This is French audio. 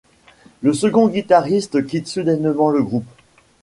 Le second guitariste quitte soudainement le groupe.